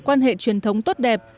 quan hệ truyền thống tốt đẹp